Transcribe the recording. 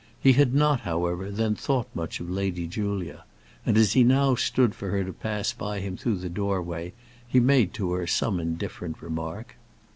He had not, however, then thought much of Lady Julia; and as he now stood for her to pass by him through the door way, he made to her some indifferent remark.